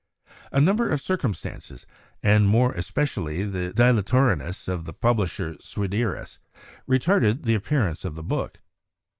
A number of circumstances, and more espe cially the dilatoriness of the publisher Swederus, retarded the appearance of the book.